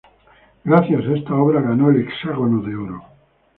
Gracias a esta obra ganó el hexágono de oro.